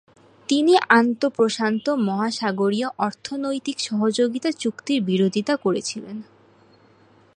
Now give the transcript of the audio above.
তিনি আন্তঃ-প্রশান্ত মহাসাগরীয় অর্থনৈতিক সহযোগিতা চুক্তির বিরোধিতা করেছিলেন।